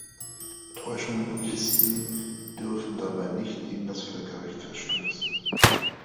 Täuschungen und Listen dürfen dabei nicht gegen das Völkerrecht verstoßen.